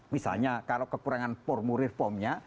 misalnya kalau kekurangan formu reformnya